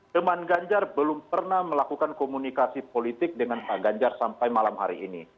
teman ganjar belum pernah melakukan komunikasi politik dengan pak ganjar sampai malam hari ini